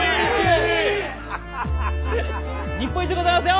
日本一でございますよ！